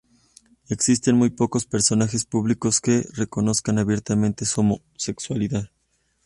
Existen muy pocos personajes públicos que reconozcan abiertamente su homosexualidad.